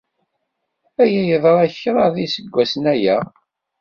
Aya yeḍra kraḍ n yiseggasen aya.